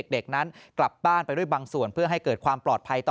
เด็กนั้นกลับบ้านไปด้วยบางส่วนเพื่อให้เกิดความปลอดภัยต่อ